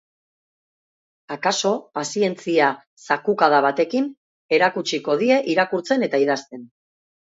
Akaso, pazientzia zakukada batekin, erakutsiko die irakurtzen eta idazten.